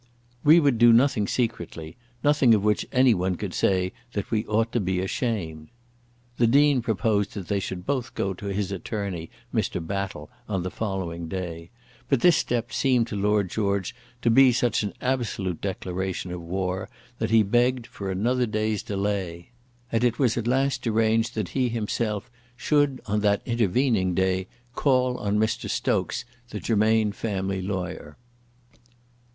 We would do nothing secretly nothing of which any one could say that we ought to be ashamed." The Dean proposed that they should both go to his attorney, Mr. Battle, on the following day; but this step seemed to Lord George to be such an absolute declaration of war that he begged for another day's delay; and it was at last arranged that he himself should on that intervening day call on Mr. Stokes, the Germain family lawyer.